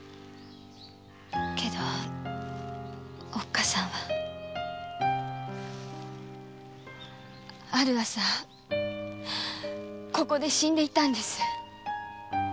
けどおっかさんはある朝ここで死んでいたんです。